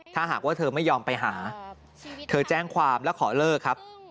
ถ้าหากว่าเธอไม่ยอมไปหาเธอแจ้งความแล้วขอเลิกครับ